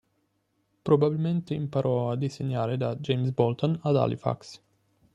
Probabilmente imparò a disegnare da James Bolton ad Halifax.